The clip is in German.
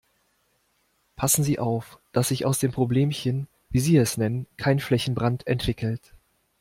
Passen Sie auf, dass sich aus dem Problemchen, wie Sie es nennen, kein Flächenbrand entwickelt.